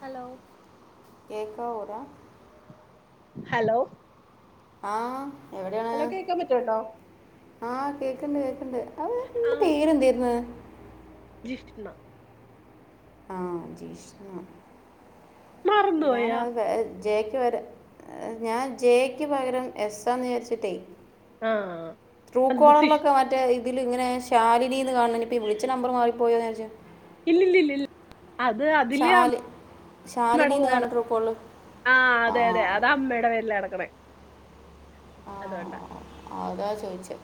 Hello? ക്കാപറ. [unintelligible] Hello. ആ എവിടാണ് hello കേക്കാൻ പറ്റുന്നുണ്ടോ ആ കേക്കണ്ട് കേക്കണ്ട് അവ ന്റെ ആഹ് പേര്ന്തായിരുന്ന്? ജിഷ്ണ. ആ ജീഷ്ണ മറന്നുപോയാ ഞാനാത് വേ ജെ യ്ക്ക് പരം ഞാൻ ജെ യ്ക്ക് പകരം എസ്സാന്ന് വിചാരിച്ചിട്ടേ. ആഹ് അത് സിഷ് തൂക്കവറിലൊക്കെ മറ്റേ ഈ ഇതിലിങ്ങനെ ശാലിനീന്ന് കാണ് നിപ്പ വിളിച്ച നമ്പർ മാറിപ്പോയോന്നാരിച്ച്. ഇല്ലില്ലില്ലില്ല അത് അതില് ശാലി ശാലിനി അമ്മേടെ എന്ന് പടം കാണുന്നു ട്രൂ കോളിൽ ആ അതെ അതെ അതമ്മേടെ പേരില കെടക്കണേ. അത്കൊണ്ടാ. ആ അതാ ചോയിച്ചേ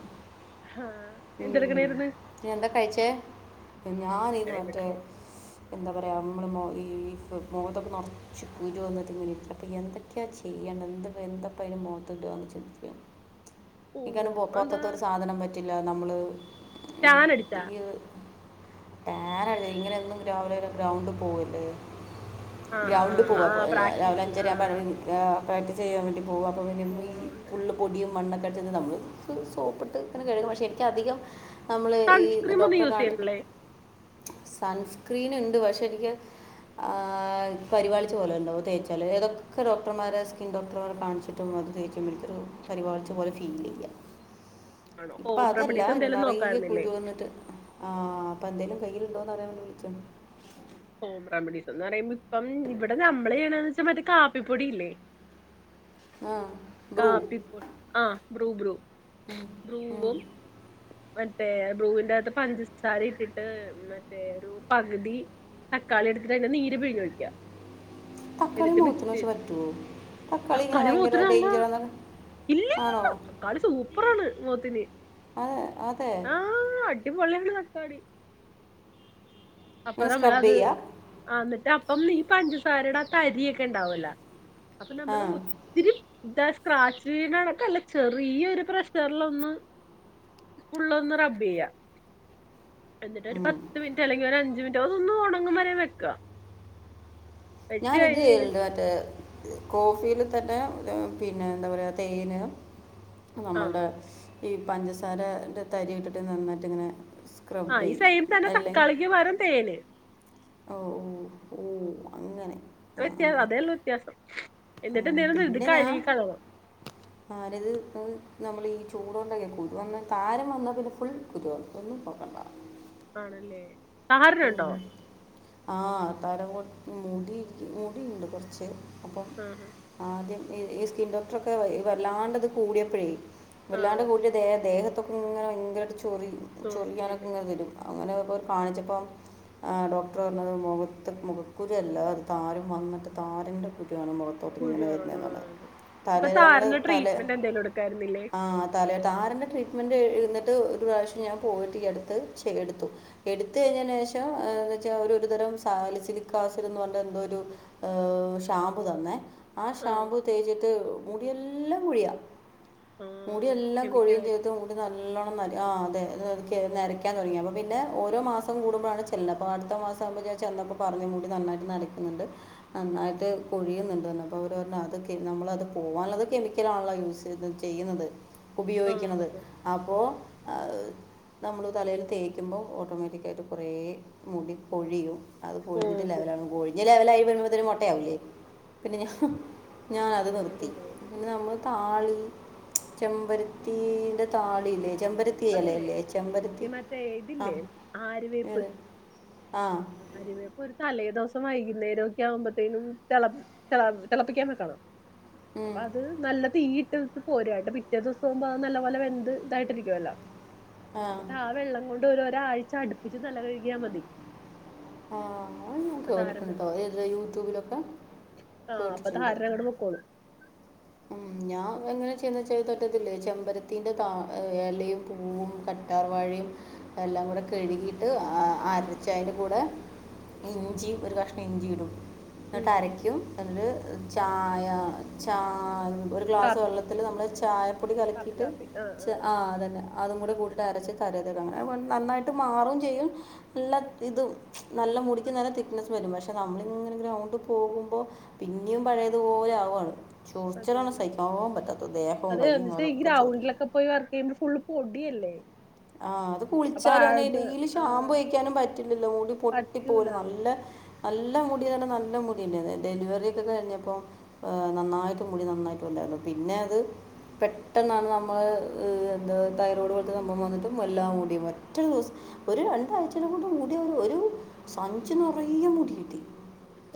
ഉം എന്തെടുക്കണായിരുന്നു ന്ന എന്താ കഴിച്ചേ? ഞാനിത് എടാ ഇവിടാ മറ്റേ എന്താ പറയ മ്മള് മൊ ഈ മൊഖത്തൊക്കെ നറച്ച് കുരു വന്നിട്ട് [unintelligible] എന്തൊക്കെയാ ചെയ്യാ. എന്ത എന്ത്പ്പ എന്താപ്പാ അയിന് മോനഖത്തിടുവാ? ഓ ഇക്കാനും എന്താ പോറത്തൊത്തൊരു സാധനം പറ്റില്ല നമ്മള് ഏ ടാൻ അടിച്ചാ [unintelligible] ഇങ്ങനൊന്നും രാവിലെ ഗ്രൗണ്ടിൽ പോവല്ലേ. ആഹ് ഗ്രൗണ്ട് ആഹ് പോവാപ്പ ആഹ് രാവിലെ പ്രാക്ടീസിന് ആഹ് അഞ്ചരാമ്പ ആഹ് എറങ്ങി നിക്കാ. അക്റ്റ് ചെയ്യൻ വേണ്ടി പോക അൾ വരു പോണോണ്ട് ഈുള് പൊടും മണ്ണക്കഴിച്ച നമ്മള് സോപ്പിട്ട് ഇങ്ങനെ കഴുകും പക്ഷെ എനക്ക് അധികം നമ്മള് ഈ സൺസ്ക്രീം ഒന്നും ഡോക്ടറെ യൂസ് കാ ചെയ്യണില്ലേ സൺസ്ക്രീൻ ഉണ്ട് പക്ഷെ എനിക്ക് ആ് പരിപാലളിച്ചച്ച് പോലണ്ടോ തേച്ചാല് ഏതൊക്കെ ഡോക്ടർമാരെ സ്കിൻ ഡോക്ടർമാരെ കാണിച്ചിട്ടും അ തേക്കുമ്പോഴത്ത ഒരു പരിപളിച്ച പോലെ ഫീൽ ചെയ്യാം ആണോ ഇപ്പൊ ഹോം അതല്ല റെമഡീസ് എന്തേലും നിറയ നോക്കായിരുന്നില്ലേ കുരു വന്നിട്ട് ആഹ് അപ്പൊ എന്തേലും കയ്ൽുണ്ടോന്ന് അറിയാൻ വി വിളിച്ചോ ഹോം റെമഡീസ് എന്ന് പറയുമ്പോ ഇപ്പം ഇവിടെ നമ്മളെണ ച മതി കാപ്പിപ്പൊടിയില്ലേ ആ ബ്രൂ കാപ്പിപ്പുൾ ആഹ് ബ്രൂ ബ്രൂ ഉം, ഉം. ബ്രൂവും മറ്റേ ബ്രൂവിനകത്തു പഞ്ചസാര ഇട്ടിട്ട് മറ്റേ ഒരു പകുതി തക്കാളി എടുത്തിട്ട്െ നീര് പിഴഞ്ഞഴിക്കാം തക്കാളി മൂത്തിന മോശ പറ്റുവോ തക്കാളി ഇങ്ങനെ ഭയങ്കര ഡേഞ്ചറാന്ന ഇലില്ലില്ല തക്കാളി സൂപ്പറാണ് മോത്തിന് അതെ അതെ ആ അടിപൊളി സൂപ്പർ ആണ് കണ്ട് തക്കാടി അപ്പൊ ഇങ്ങനെ തമ്മള സ്ക്രബ് അത് ചെയ്യുക ആന്നിട്ട് അപ്പം നീ പഞ്ചസാരയുടെ ആ തരിൊക്കെ ഇണ്ടാവല അപ്പൊ ആ നമ്മള് ഒത്തിരി ഇതാ സ്ക്രാച്ച്നടക്കല്ല ചെറിയൊരു പ്രശ്നറിലൊന്ന് ഉള്ളൊന്ന് റബ്ബ്യ എന്നിട്ട് ഒരു ഉം. പത്ത് മിനിറ്റ് അല്ലെങ്കിൽ ഒരു അഞ്ചു മിനിറ്റ് അതൊന്ന് ഉണങ്ങും വരെ വെക്കാ ഞാൻ ഇത്ണ്ട് മറ്റേ കോഫിൽ തന്നെ പിന്നെ എന്താ പറയുക തേൻ ആഹ് നമ്മളുടെ ഈ പഞ്ചസാര് തരി ഇട്ടിട്ട് നന്നായിട്ട്ങ്ങനെ ആ ഈ സൈം തന്നെ തക്കാളിക്ക്മാരം തേന് ഓ ഓ ഓ അങ്ങങ്ങനെ വ്യത്യാസം അതേല്ല വ്യത്യാസം എന്നിട്ട് എന്തേിലും നുതി കഴുകി കളയണം ആര്ത് നമ്മൾ ഈ ചൂടോണ്ടേകേകു കുരു വന്ന് താരം വന്ന പിന്നെ ഫുൾ കുരുവ. ഒന്നും പോക്കേണ്ട ആണല്ലേ. താരനുണ്ടോ? ആഹ് താരം കോർ മുടി മുടിണ്ട് കോർച്ച് അപ്പം ആഹ് ആദ്യം ഈ ഈ സ്കിൻ ഡോക്ടറൊക്കെ വെ ഇ വല്ലാണ്ട്ത് കൂടിയപ്പഴേ വല്ലാണ്ട് ആഹ് കൂടിയ ദേ ദേഹ തൊക്കെങ്ങനെ ഭയങ്കരായിട്ട് ചൊറി ചൊറിയാനൊക്കെ ചൊറിച്ചില് ങ്ങനെ വരും. അങ്ങനെ പോര് കാണിച്ചപ്പോ ആഹ് ഡോക്ടർ പറഞ്ഞത് മുഖത്ത് മുഖക്കുരു അല്ല അത് താരൻ വന്നിട്ട് താരന്റെ കുരു തിയാണ് മുഖത്തോട്ടു കുരു ഇങ്ങനെ വരുന്നതാണ്. എറങ്ങണത് അപ്പൊ തലെ നമ്മള് താരന് തല ട്രീറ്റ്മെന്റ് എന്തേലും എടുക്കായിരുന്നില്ലേ ആഹ് തലെ താരന്റെ ട്രീറ്റ്മെന്റ് എന്നട്ട് ഒരു പ്രാവശ്യം ഞാൻ പോയിട്ട് ഈ യടുത്ത് ചെ എടുത്തു. എട്ത് കഴിഞ്ഞനേഷ് പക്ഷെ എന്ന്‌ വെച്ചാ ഒരുതരം സാലിച്ചിട് ലിക്ക്‌ട് ആസിഡ് എന്ന് പറഞ്ഞ എന്തോ ഒരു ഷാമ്പു തന്നെ ആ ആഹ് ഷാമ്പൂ തേച്ചിട്ട് മുടിയെല്ലാം പൊഴിയ മുടി ആഹ് എല്ലാം കൊഴിയും കെമിക്കലായിട്ട് ചെയ്തു മുടി നല്ലോണം നല്ല- ആഹഹ് അതെ നരയ്ക്കാൻ തൊടങ്ങി അപ്പ പിന്നെ ഓരോ മാസം കൂടുമ്പോഴാണ്- ചെന്നപ്പോൾ അടുത്ത മാസം ആകുമ്പോ ഞാൻ ചെന്നപ്പോൾ പറഞ്ഞ് മുടി നന്നായിട്ട് നരക്കുന്നുണ്ട് നന്നായിട്ട് കൊഴിയുന്നുണ്ട് പ്പ അവോ അത് നമ്മളത് പോവാനുള്ളത് കെമിക്കലാണല്ലോ യൂസ് ചെയ്യുന്നത് ഉപയോഗിക്കണത് ആഹ് അപ്പോ അ - നമ്മള് തലയില് തേക്കുമ്പോൾ ഓട്ടോമാറ്റിക്ക്‌ ആയിട്ട് കുറേ മുടി പൊഴിയും അത് കോഴിഞ്ഞിട്ട് ലെവൽ പോകും അങ്ങ് കൊഴിഞ്ഞ് പൊഴിഞ്ഞ് ലെവല് ആവുമ്പോഴുതേന് അത് മൊട്ട ആവൂലെ പിന്നെ ഞാൻ - ഞാനത് നിർത്തി ഉം പിന്നെ നമ്മള് - താളി ചെമ്പരത്തിന്റെ താളില്ലേ ചെമ്പരത്തി എല അതില്ലേ ഇല്ലേ ചെമ്പരത്തി ഈ മറ്റേ ആ ഏത് ആ അരി വെയ്പ്പ് ഒരു തലേ ദിവസം വസം വൈകുന്നേരം ഒക്കെ ആവുമ്പോത്തേനും തെള തെളപ്പിക്കാൻ വെക്കണം ഉം, അപ്പൊ അത് നല്ല തീയ് ഇ - ട്ടു പോരുക കേട്ടോ പിറ്റേ ദെവസം ആകുമ്പോ അത് നല്ല പോലെ വെന്ത് ഇതായിട്ടിരിക്കുവല്ലോ എന്നിട്ട് ആ വെള്ളം കൊണ്ട് ഒരു രു ആഴ്ച അടുപ്പിച്ച് തല കഴുകിയാ മതി ആഹ് ആത് ഞാൻ അപ്പൊ താരൻ കേട്ടിട്ടുണ്ടോ പൊക്കോളും ഏത് യൂട്യൂബിലൊക്കെ ആഹ് അപ്പൊ കേട്ടിട്ടുണ്ട് താരൻ അങ്ങട് പൊക്കോളും ഉം ഞാൻ അങ്ങനെ- ച്ച തെ [unintelligible] റ്റത്തില്ല ചെമ്പരത്തിന്റെ ത ഇലയും പൂവും കറ്റാർ വാഴയും എല്ലാ എല്ലാം കൂടെ കഴുകിയിട്ട് അ അരച്ച് ആയിൻ്റെ കൂടെ- ഇഞ്ചി ഒരു കഷ്ണം ഇഞ്ചി ഇടും ഉം എന്നിട്ട് ഉം ഉം അരക്കും എന്ന് - ചായ ചായ ഒരു ഗ്ലാസ് കാപ്പി വെള്ളത്തിൽ നമ്മള് ചായപ്പൊടി കാപ്പി കലക്കിയിട്ട് കാപ്പി ആഹ് ച ആഹ് അ തന്നെ അതും കൂടി കൂടി ഇത് അരച്ച് തലയിലിടണം [unintelligible] നന്നായിട്ട് മാറും ചെയ്യും, നല്ല ഇതും നല്ല മുടിക്ക് നല്ല തിക്ക്നെസ്സ് വെരും പക്ഷെ നമ്മളിങ്ങനെ ഗ്രൗണ്ട് പോവുമ്പോ പിന്നേം പഴയതുപോലെ ആവാണ് അതേല്ലേ അതെ കൈയും എന്നുവെച്ചാ ഈ കാലൊക്കെ ചൊറി ഗ്രൗണ്ടിലൊക്കെ പോയി വർക്കിയിമ്പോ ഫുള്ള് പൊടിയല്ലേ ആ അത് അപ്പൊ കുളിച്ചാലും അയിന് ആൾക്ക് ഡെയിലി ആഹ് ഷാമ്പു തേയ്ക്കാനും പറ്റില്ലല്ലോ മുടി പറ്റൂല പൊട്ടിപ്പോവലും നല്ല നല്ല മുടിന്ന് പറഞ്ഞാ നല്ല മുടി ഇണ്ടായിന്നു, ഡെലിവെറിയൊക്കെ കഴിഞ്ഞപ്പോ ഏഹ് നന്നായിട്ട് മുടി നന്നായിട്ടു അല്ല [unintelligible] പിന്നെ അത് പെട്ടെന്നാണ് നമ്മള് ഏഹ് എന്താ തൈറോയ്ഡ് പോലത്തെ സംഭവം വന്നിട്ട് [unintelligible] എല്ലാം മുടി ഒറ്റൊരു ദിവസം ഒരു രണ്ടാഴ്ചനെ കൊണ്ട് മുടി ഒരു ഒരു സഞ്ചി നറയെ മുടി കിട്ടി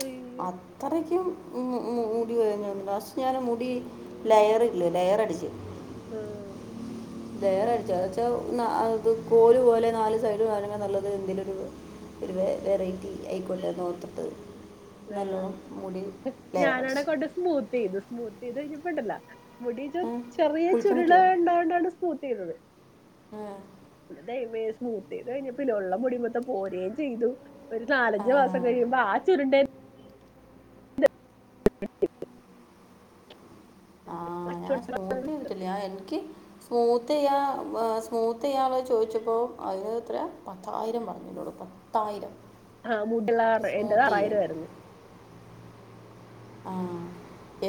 അയ്യോ അത്രയ്ക്കും ഉം ഉം മുടി കൊഴിഞ്ഞ് ലാസ്റ്റ് ഞാൻ മുടി ലെയറില്ലേ ലെയറടിച്ച് ആഹ് ലെയർടിച്ച എന്നുച്ചാ അത് കോല് പോലെ നാല് സൈഡ് [unintelligible] നല്ലത് എന്തിലൊരു ഒരു വെ വെറൈറ്റി ആയിക്കോട്ടെന്നോർത്തിട്ട് ലെയറടി ഞാനാണെ അടിച്ചു കൊണ്ട് സ്മൂത്ത് ചെയ്തു സ്മൂത്ത് ചെയ്ത് കഴിഞ്ഞപ്പണ്ടല്ലാ മുടി ഏ? ചെറിയ കുളിക്കാൻ ചുരുള പറ്റുമോ ഉണ്ടോണ്ടാണ് സ്മൂത്ത് ചെയ്തത് ഏ? ദൈവമേ സ്മൂ ചെയ്തു കഴിഞ്ഞപ്പം ഇല്ലേ ഉള്ളള് മുടി മൊത്തം പോരെയും ചെയ്തു ഒരു ആ. നാലഞ്ചു മാസം കഴിയുമ്പോ ആ ചുരുണ്ടേ ആ ഞാൻ സ്മൂത്ത് ചെയ്തിട്ടില്ല ആ എനിക്ക് സ്മൂത്ത് ചെയ്യാ സ്മൂത്ത് ചെയ്യുള്ള ചോദിച്ചപ്പോൾ അതിന് എത്രയാ പത്തായിരം പറഞ്ഞു എന്നോട് പ പത്തായിരം ആ മുടിള്ള കാരണം എൻ്റെത് സ്മൂത്ത് ചെയ്യാൻ ആറായിരമായിരുന്നു ആ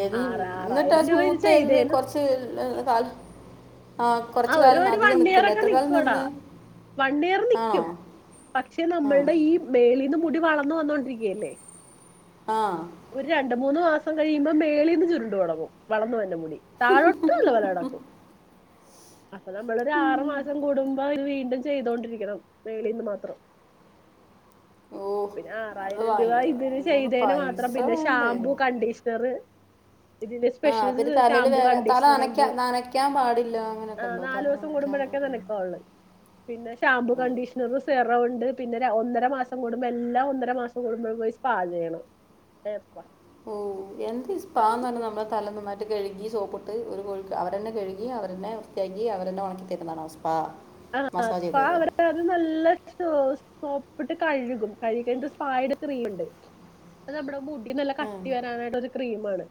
എന്ന് ആറ് എന്നിട്ടാ ആറായിരം രൂപ ഇത് സ്മൂത്ത് ചെയ്തത് ചെയ്തേന് കൊറച്ച് കാല ആ ഒരു ഒരു വൺ ഇയർ ഒക്കെ കാലം നിക്കൂടാ നിന്ന് വൺ ഇയർ ആണോ നിക്കും പക്ഷെ നമ്മളുടെ ഈ ആ മേളിന്ന് മു മുടി വളർന്നു വന്നോണ്ടിരിക്കയല്ലേ ആ ഒരു രണ്ട് മൂന്ന് മാസം കഴിയുമ്പോ മേളിന്ന് ചുരുണ്ട് തുടങ്ങും വളർന്നു വന്ന മുടി താഴോട്ട് നല്ലപോലെ കിടക്കും [inaudible] അപ്പൊ നമ്മളൊരു ആറു മാസം കൂടുമ്പം വീണ്ടും ചെയ്തോണ്ടിരിക്കണം മേളീന്ന് മാത്രം ഓ പിന്നെ അത് ആറായിരം രൂപ വാങ്ങി ഇതിന് നിങ്ങൾക്ക് ചെയ്തേന് മാത്രം പൈസ പിന്നെ വേണ്ടേ ഷാമ്പൂ കണ്ടീഷണറ് ഇതിന്റെ ആ സ്പെഷ്യൽ പിന്നെ തലയിൽ ഷാമ്പൂ വേറെ തല കണ്ടീഷണർണ്ട് നനയ്ക്കാൻ നനയ്ക്കാൻ പാടില്ല ആ അങ്ങനെയൊക്കെ ഉണ്ടോ നാല തല ദിവസം കൂടു നനയ്ക്കാൻ ടുമ്പഴക്കെ പാടില്ല നക്കാവൊള്ളൂ പിന്നെ ഷാബൂ കണ്ടീഷ്ണറ് സെ റൗണ്ട് പിന്നെ ഒന്നര മാസം കൂടുമ്പോ എല്ലാം ഒന്നര മാസം കൂടുമ്പോ പോയി സ്പാ ചെയ്യണം ഓ എന്താ ഈ അങ്ങനെ സ്പാന്ന് പറയുന്നെ നമ്മളെ തല നന്നായിട്ട് കഴുകി സോപ്പിട്ട് ഒരു കോഴിക്ക് അവരന്നെ കഴുകി അവരന്നെ വൃത്തിയാക്കി അവരന്നെ ഒണക്കി തരുന്നാണ് അവസ് ആഹ് സ്പാ [unintelligible] അത്‌ നല്ല [unintelligible] പ്പിട്ട് കഴുകും കഴുകി കഴിഞ്ഞിട്ട് ഒരു സ്പായുടെ ക്രീംമിണ്ട് അത്‌ നമ്മുടെ മു ഇ നല്ല കട്ടി വരാനായിട്ടൊരു ക്രീമാണ്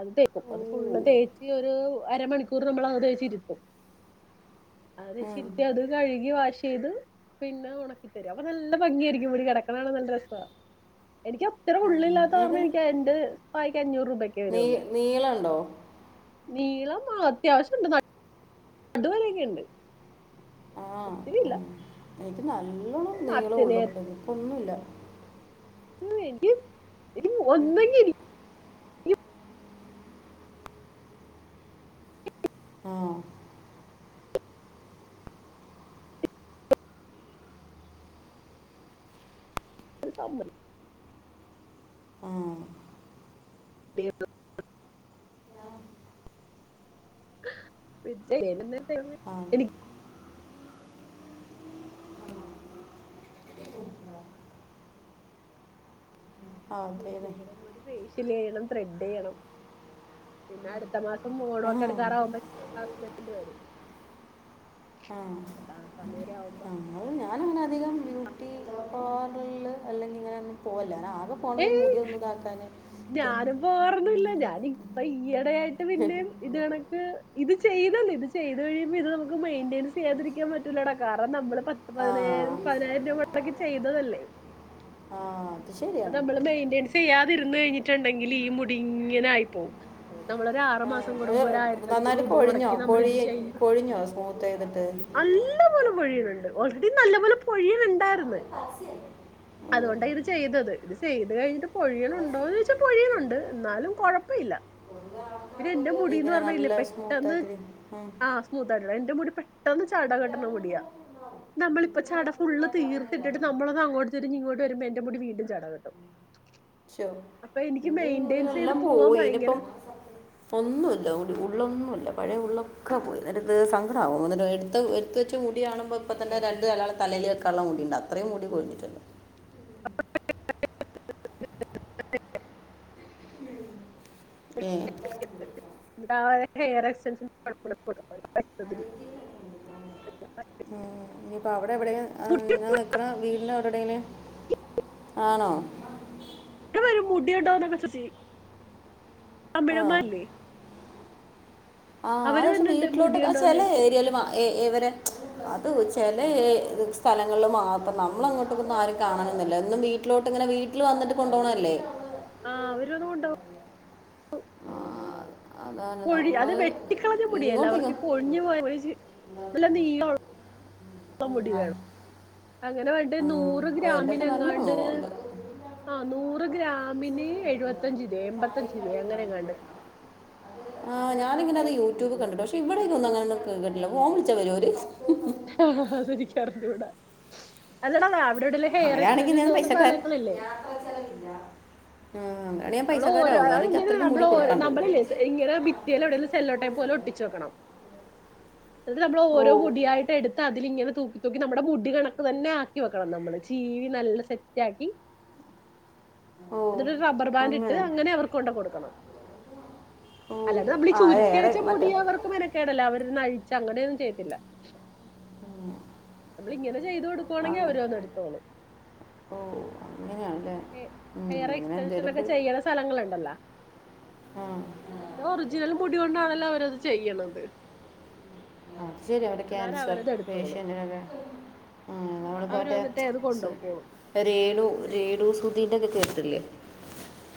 അത് തേക്കും അത് ഫുള്ള് ഓ തേച്ച് ഒരൂ അരമണിക്കൂറ് നമ്മൾ അത് തേച്ചിരുത്തും അത് ഉം, വെച്ചിരുത്തി അത് കഴുകി വാഷ് ചെയ്ത് പിന്നെ ഒണക്കിത്തരും അപ്പൊ നല്ല ഭംഗിയായിരിക്കും മുടി കെടക്കണ കാണാൻ നല്ല രസവാ എനിക്ക് അത്ര ഉം. ഉള്ളില്ലാത്ത കാരണം നിനക്ക് എനിക്ക് എന്റെ പായ്ക്ക് അഞ്ഞൂറ് രൂപക്കെ നീ വരുള്ളു [unintelligible] നീളം അത്യാവശ്യണ്ട് ന നടുവരെക്കെ ഇണ്ട് ആ ഒത്തരില്ല ഉം. എനിക്ക് നല്ലോണം നീളോം ഉള്ളും ഇണ്ടേരുന്നു ഇപ്പൊന്നുല്ല [unintelligible] ഒന്നിങ്കി [unintelligible] ആഹ് [unintelligible] ആഹ് [unintelligible] [unintelligible] ആ എനി ആ, അതെ മുടി അതെ ചെയ്യണം ഒരു ഫേഷ്യൽ ചെയ്യണം ത്രെഡ് ചെയ്യണം പിന്നെ അടുത്ത മാസം ആ ഓണോക്ക അടുക്കാറാവുമ്പ ഹസ്ബൻഡ് വരും ആഹ് ആ സമയൊക്കെ ആവുമ്പോ ആഹ് അത് ഞാനങ്ങന അധികം ബ്യൂട്ടി പാർലർല് അല്ലെങ്കി ഇങ്ങനെ ഒന്നും പോവില്ല ഞാനാകെ ഏ പോണത് ഈ മുടിയൊന്നു ഇതാക്കാന് ഞാനും പോവാറൊന്നു ഇല്ല ഞാന് ഇപ്പ ഈ എട ടയായിട്ട് പിന്നേം ഇത് കണക്ക് ഇത് ചെതല്ലോ ഇത് ചെയ്ത് കഴിയുമ്പോ ഇത് നമുക്ക് മെയിന്റയിൻസ് ചെയ്യാതിരിക്കാൻ പറ്റൂല്ലടാ കാരണം നമ്മള് പത്ത് ആ പതിനയ്യായിരം പതിനായിരം രൂപ മൊട‌ക്കി ചെയ്തതല്ലേ ആ അത് അപ്പ ശരിയാണ് നമ്മള് മെയിന്റൻസ് ചെയ്യാതിരുന്ന് കഴിഞ്ഞിട്ടുണ്ടെങ്കില് ഈ മുടി ഇങ്ങനെ ആയി പോവും അപ്പ നമ്മളൊരു ആറു ആ, മാസം ഏ, കൂടുമ്പോ ഒരായിരത്തി അഞ്ഞൂറ് നന്നായിട്ട് രൂപ കൊഴിഞ്ഞോ മുടക്കി നമ്മൾ കൊഴി ഇത് ചെയ്യും കൊഴിഞ്ഞോ സ്മൂത്ത് ചെയ്തിട്ട് നല്ല പോലെ പൊഴിയനെണ്ട് ഓൾറെഡി ക്കും നല്ല പോലെ പൊഴിയണെണ്ടാര്ന്ന് ഉം. അതുകൊണ്ട ഇത് ചെയ്തത് ഇത് ചെയ്ത് കഴിഞ്ഞിട്ട് പൊഴിയണൊണ്ടോന്ന് ചോയ്ച്ചാ പൊഴിയണൊണ്ട് എന്നാലും കൊഴപ്പവില്ല പിന്നെ എന്റെ മുടീന്ന് ഇങ്ങനെ പറഞ്ഞ നല്ല ഇല്ലെ പെട്ടെന്ന് സ്മൂത്തായിട്ട് ആഹ് സ്മൂത്ത് ആയിട്ടുള്ള എന്റെ മുടി പെട്ടെന്ന് ചട കെട്ടണ മുടിയാ നമ്മളിപ്പ ചട ഫുള്ള് തീർത്തിട്ടട്ട് നമ്മളത് അങ്ങോട്ട് തിരിഞ്ഞ് ഇങ്ങോട്ട് വരുമ്പ എന്റെ മുടി വീണ്ടും ചട കെട്ടും ശൊ അപ്പൊ എനിക്ക് എന്റെ മുടി മെയിന്റെയിൻസ് ചെയ്ത് എല്ലാം പോവാൻ പോയി ഭയങ്കര ഇതിപ്പം ഒന്നുല്ല മുടി ഉള്ളൊന്നുല്ല പഴയ ഉള്ളൊക്കെ പോയി നേരത് സങ്കടം ആകും [unintelligible] ത്ത് എടുത്തു വച്ച മുടികാണുമ്പോ ഇപ്പ തന്നെ രണ്ട് അലാളെ തലേല് വെക്കാള്ള മുടീണ്ട് അത്രയും മുടി കൊഴിഞ്ഞിട്ടിണ്ട് ഉം [inaudible] [inaudible] [unintelligible] ഏഹ് വേറെ [unintelligible] [unintelligible] ഉം ഇനീപ്പ അവിടെ എവിടെങ്കിലും ആഹ് ഞാൻ നിക്കണ വീടിനവടെടേലും ആണോ ഇവടെ വരും മുടിയുണ്ടോന്നൊക്കെ ചോയ്ച്ച് തമിഴൻമാരില്ലേ ആഹ് അത് പക്ഷെ വീട്ടിലോട്ട് മുടിയുണ്ടോന്ന് ചെലെ ചോദിച്ച് ഏരിയയിലും എവരെ അതു ചെലെ സ്ഥലങ്ങളിൽ മാത്രം ന്നമ്മൾ അങ്ങോട്ടൊന്നും ആരും കാണണംന്നില്ല വീട്ടിലോട്ട് ഇങ്ങനെ വീട്ട്‌ല് വന്ന്ട്ട് കൊണ്ടോണല്ലേ? ആഹ് അവര്വന്ന് കൊണ്ടോവും അതാണ് പൊഴി അത് നമ്മൾ വെട്ടിക്കളഞ്ഞ പൊടിയല്ല അവർക്ക് ഇങ്ങോട്ടേക്കും പൊഴിഞ്ഞു പോയ ഇല്ല നീളമുള്ള മുടി വേണം അങ്ങനെ വണ്ടി ആ, നൂറ് ഓ എൻ്റെ ഗ്രാമിന് ഒക്കെ നല്ല എങ്ങാണ്ട് മകളുണ്ട് ആ നൂറ് ഗ്രാമ ആമിന് എഴുപത്തഞ്ച് രൂപ എൺമ്പത്തഞ്ച് രൂപ അങ്ങനെങ്ങാണ്ട് അങ്ങന യൂട്യൂബ് കണ്ടി പക്ഷെ ഇവിടേക്ക ഒന്നുംങ്ങനൊ കിട്ടില്ല വരുമോ അവര്ഒരു അതനിക്കറിഞ്ഞൂടാ അതട ഇവിടെ ഇവിടു ഹെയർ അങ്ങനെയാണെങ്കിൽ എക്സിഡന്റ് ഞാൻ ചെയ്യുന്ന പൈസക്കാരൻ സ്ഥലങ്ങളല്ലേ ആ, അങ്ങനെയാണെങ്കിൽ ഞാൻ നമ്മള് പൈസക്കാരാവും കാരണം എനിക്ക് അത്രയ്ക്ക് മുടി ഓരോ ന കൊടുക്കാണ്ട് നമ്മളല്ലേ ഇങ്ങനെ ഭിത്തിൽ എവിടെയെങ്കില സെല്ലോട്ടെ പോലെ ഒട്ടിച്ചെക്കണം ഉ [unintelligible] അത് നമ്മൾ ഓരോ കുടിയായിട്ട് എടുത്ത് അതില ഇങ്ങനെ തൂക്കി നമ്മുടെ മുടി കണക്ക് തന്നെ ആക്കി വെക്കണം നമ്മള് ചീവി നല്ല സെറ്റ് ആക്കി ഓ ഇത റബ്ബർ ബാൻഡ് ഇട്ട് അങ്ങനെ അവർക്ക് കൊണ്ട കൊടുക്കണം ഓ അല്ലാതെ നമ്മള്ഈ ആ ചരുട്ടി ഏറെ വെച്ച മുടി മറ്റേ അവർക്ക് മനക്കേടല്ല അവ അ അഴിച്ച അങ്ങടെന്നും ചെയ്ട്ടല്ല ചെയ്ത് കൊടുക്കുവാണെങ്കിൽ അങ്ങ അവര ഒന്ന് എടുത്തോണം ഓ അങ്ങനെയാണല്ലേ ഹ ഉം, ഹെയർ അങ്ങനെ എക്സ്റ്റെൻഷൻ ഒക്കെ എന്തെങ്കിലുമൊക്കെ ചെയ്യുന്ന സ്ഥലങ്ങളുണ്ടല്ലോ ആ ഒറിജിനൽ മുടി കൊണ്ടാണല്ലോ അവരത് ചെയ്യണത് അ ശരി അവിടെ അന്നേരം ക്യാൻസർ അവരത് എടുത്തോളും പേഷ്യന്റൊക്കെ ഉ നമ്മളിപ്പോ അവര് വന്നിട്ട് അത് മറ്റേ കൊണ്ടോക്കോളും രേണു ചെയ്താ രേണു മതി സുധി ന്റക്കെ കേട്ടിട്ടില്ലേ